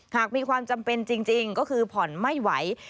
หากมีความจำเป็นจริงก็คือผ่อนไม่ไหว